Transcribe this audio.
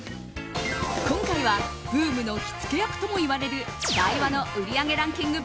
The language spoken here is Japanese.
今回はブームの火付け役ともいわれるダイワの売り上げランキング